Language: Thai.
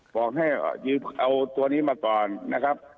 บอกให้ยืมเอาตัวนี้มาก่อนนะครับ